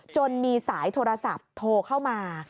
จนมีสายโทรศัพท์โทรเข้ามา